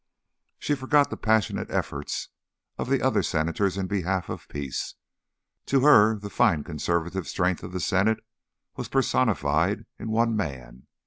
She forgot the passionate efforts of other Senators in behalf of peace; to her the fine conservative strength of the Senate was personified in one man.